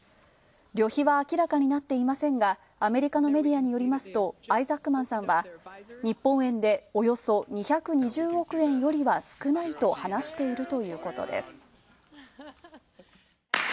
旅費は明らかになっていませんがアメリカのメディアによりますと、アイザックマンさんは日本円でおよそ２２０億円よりは少ないと話しているということです。